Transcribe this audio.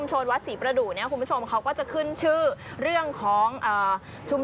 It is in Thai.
บรรยากาศอย่างคึกคักนะในแต่ละจังหวัด